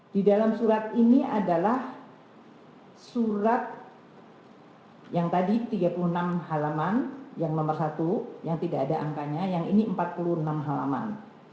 di dalam surat ini adalah surat yang tadi tiga puluh enam halaman yang nomor satu yang tidak ada angkanya yang ini empat puluh enam halaman